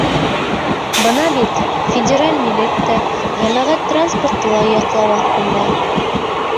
Бына бит, федераль милек тә, йәмәғәт транспорты ла яҡлау аҫтында.